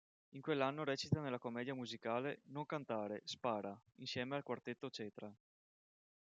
In quell'anno recita nella commedia musicale "Non cantare, spara", insieme al Quartetto Cetra.